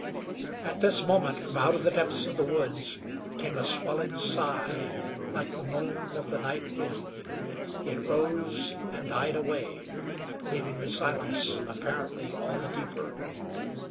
At this moment from out of the depths of the woods came a swelling sigh, like the moan of the night wind. It rose and died away, leaving the silence apparently all the deeper.